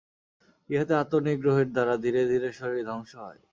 ইহাতে আত্ম- নিগ্রহের দ্বারা ধীরে ধীরে শরীর ধ্বংস করা হয়।